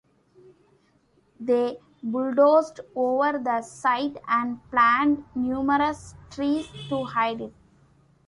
They bulldozed over the site and planted numerous trees to hide it.